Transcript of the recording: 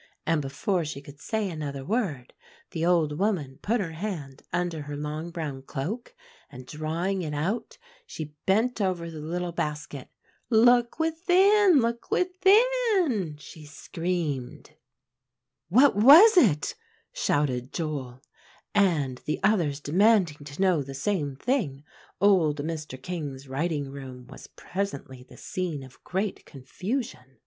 And before she could say another word, the old woman put her hand under her long brown cloak, and drawing it out, she bent over the little basket. 'Look within! Look within!' she screamed." [Illustration: "Look within!" screamed the old woman.] "What was it?" shouted Joel; and the others demanding to know the same thing, old Mr. King's writing room was presently the scene of great confusion.